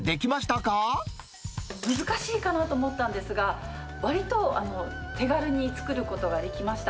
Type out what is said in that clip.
難しいかなと思ったんですが、わりと手軽に作ることができました。